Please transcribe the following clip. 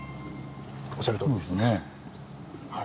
おっしゃるとおりです。